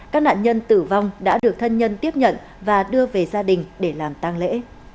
các nạn nhân tử vong đã được thân nhân tiếp nhận và đưa về gia đình để làm tăng lễ